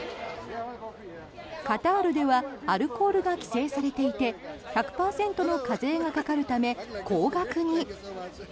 カタールではアルコールが規制されていて１００％の課税がかかるため高額に。